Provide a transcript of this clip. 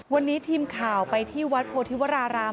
วันนี้ทีมข่าวไปที่วัดโพธิวราราม